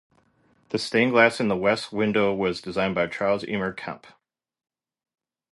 The stained glass in the west window was designed by Charles Eamer Kempe.